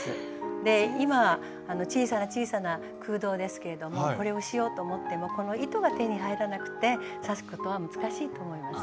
今は小さな小さな空洞ですけれどもこれをしようと思ってもこの糸が手に入らなくて刺すことは難しいと思います。